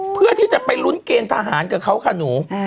เพื่อที่จะไปลุ้นเกณฑ์ทหารกับเขาค่ะหนู